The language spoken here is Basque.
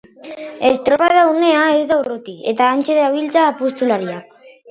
Estropada unea ez da urruti, eta hantxe dabiltza apustulariak